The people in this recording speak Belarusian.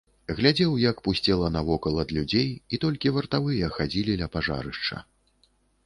Глядзеў, як пусцела навокал ад людзей, і толькі вартавыя хадзілі ля пажарышча.